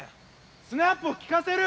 スナップを利かせる！